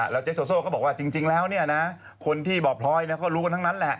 แล้วเจ๊ซอโซ่ก็บอกว่าจริงแล้วคนที่บอกพลอยก็รู้กันทั้งนั้น